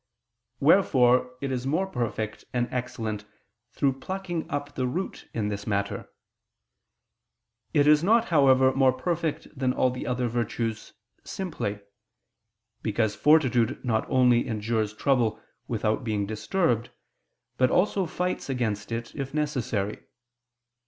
Wherefore it is more perfect and excellent through plucking up the root in this matter. It is not, however, more perfect than all the other virtues simply. Because fortitude not only endures trouble without being disturbed, but also fights against it if necessary.